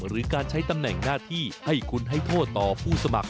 หรือการใช้ตำแหน่งหน้าที่ให้คุณให้โทษต่อผู้สมัคร